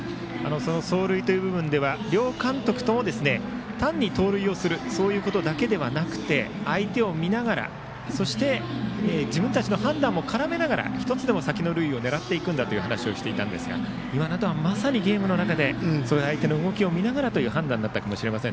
その走塁という部分では両監督とも単に盗塁をすることだけではなくて相手を見ながらそして自分たちの判断も絡めながら１つでも先の塁を狙うという話をしていましたがまさにゲームの中で相手の動きを見ながらの判断だったかもしれません。